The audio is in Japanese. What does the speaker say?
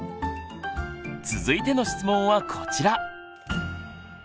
続いての質問はこちら！